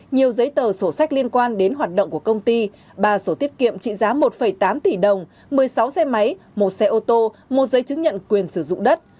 nhiều giấy tờ sổ sách liên quan đến hoạt động của công ty ba sổ tiết kiệm trị giá một tám tỷ đồng một mươi sáu xe máy một xe ô tô một giấy chứng nhận quyền sử dụng đất